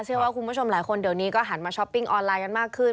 เชื่อว่าคุณผู้ชมหลายคนเดี๋ยวนี้ก็หันมาช้อปปิ้งออนไลน์กันมากขึ้น